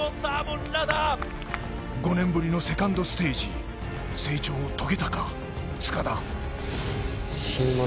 ５年ぶりのセカンドステージ成長を遂げたか、塚田。